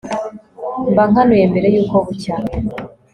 mba nkanuye mbere y'uko bucya